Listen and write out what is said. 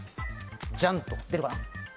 ジャン、出るかな？